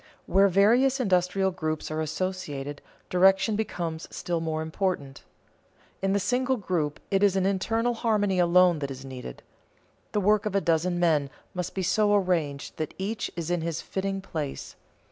Where various industrial groups are associated, direction becomes still more important. In the single group it is an internal harmony alone that is needed. The work of a dozen men must be so arranged that each is in his fitting place.